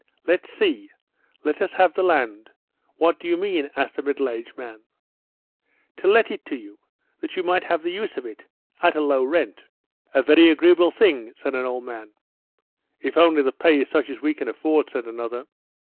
"Let's see. Let us have the land? What do you mean?" asked a middle aged man. "To let it to you, that you might have the use of it, at a low rent." "A very agreeable thing," said an old man. "If only the pay is such as we can afford," said another.